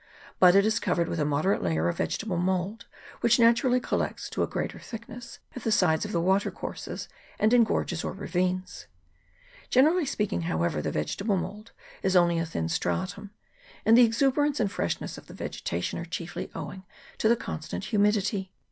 But it is covered with a moderate layer of vegetable mould, which naturally collects to a greater thickness at the sides of the watercourses and in gorges or ravines. Generally speaking, however, the vegetable mould is only a thin stratum, and the exuberance and freshness of the vegetation are chiefly owing to the constant humidity.